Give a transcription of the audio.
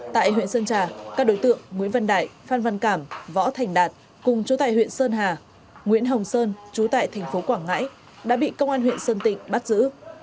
tại huyện sơn trà các đối tượng nguyễn văn đại phan văn cảm võ thành đạt cùng chú tại huyện sơn hà nguyễn hồng sơn trú tại thành phố quảng ngãi đã bị công an huyện sơn tịnh bắt giữ